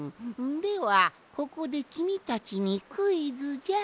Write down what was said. ではここできみたちにクイズじゃ。